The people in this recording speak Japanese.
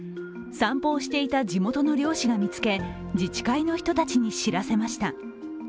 散歩をしていた地元の漁師が見つけ自治会の人たちに知らせました。